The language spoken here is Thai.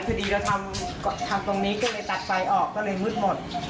พอดีเราทำตรงนี้ก็เลยตัดไฟออกก็เลยมืดหมด